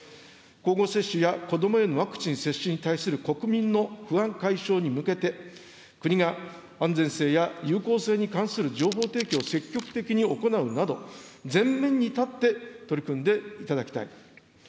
交互接種や子どものワクチン接種に対する国民の不安解消に向けて、国が安全性や有効性に関する情報提供を積極的に行うなど、前面に立って取り組んでいただきたい。